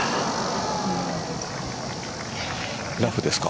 ラフですか。